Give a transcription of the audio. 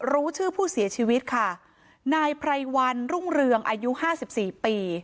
รู้ชื่อผู้เสียชีวิตค่ะนายไพรวันรุ่งเรืองอายุห้าสิบสี่ปี